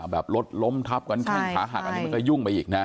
แบบรถล้มทับกันแข้งขาหักอันนี้มันก็ยุ่งไปอีกนะ